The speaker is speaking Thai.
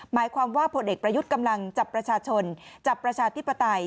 หมายความว่าผลเอกประยุทธ์กำลังจับประชาชนจับประชาธิปไตย